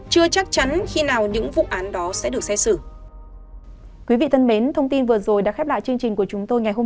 chưa chắc chắn khi nào những vụ án đó sẽ được xét xử